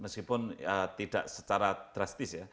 meskipun tidak secara drastis ya